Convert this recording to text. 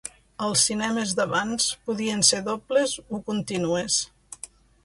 Als cinemes d'abans podien ser dobles o contínues.